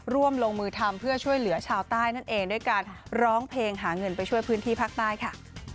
ร่วมลงมือทำเพื่อช่วยเหลือชาวใต้นั่นเองด้วยการร้องเพลงหาเงินไปช่วยพื้นที่ภาคใต้ค่ะ